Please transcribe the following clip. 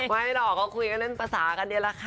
ไม่หรอกเขาคุยกันเล่นภาษากันเดียวนะ